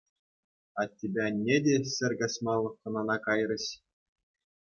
Аттепе анне те ҫӗр каҫмаллах хӑнана кайрӗҫ.